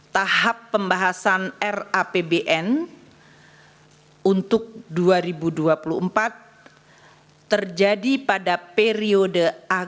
tahap pembahasan rapbn untuk dua ribu dua puluh empat terjadi pada periode